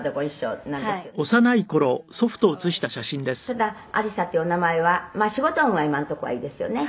「ただ“ありさ”っていうお名前は仕事運は今のところはいいですよね」